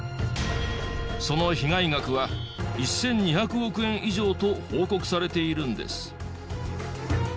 その被害額は１２００億円以上と報告されているんです。